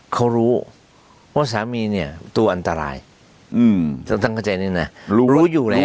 เขารู้ว่าสามีเนี่ยตัวอันตรายอืมถ้าท่านเข้าใจนี้นะรู้อยู่แล้ว